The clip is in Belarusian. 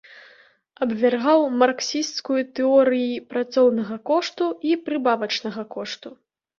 Абвяргаў марксісцкую тэорыі працоўнага кошту і прыбавачнага кошту.